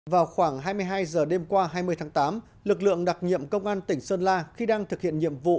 vào khoảng hai mươi hai h đêm qua hai mươi tháng tám lực lượng đặc nhiệm công an tỉnh sơn la khi đang thực hiện nhiệm vụ